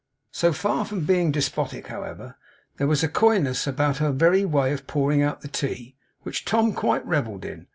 So far from being despotic, however, there was a coyness about her very way of pouring out the tea, which Tom quite revelled in.